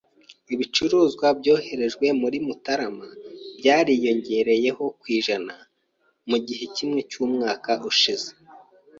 Ibicuruzwa byoherejwe muri Mutarama byariyongereyeho % mu gihe kimwe cy'umwaka ushize.